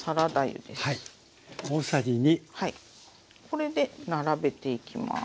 これで並べていきます。